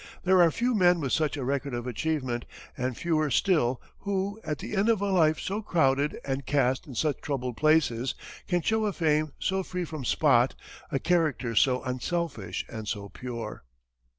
There are few men with such a record of achievement, and fewer still who, at the end of a life so crowded and cast in such troubled places, can show a fame so free from spot, a character so unselfish and so pure.